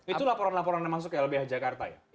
itu laporan laporan anda masuk ke lbh jakarta ya